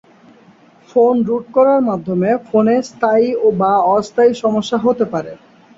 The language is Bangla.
ফোন রুট করার মাধ্যমে ফোনে স্থায়ী বা অস্থায়ী সমস্যা হতে পারে।